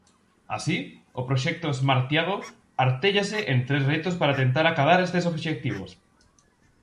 Así, o proxecto Smartiago artéllase en tres retos para tentar acadar estes obxectivos: